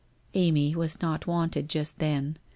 Amy was not wanted just then.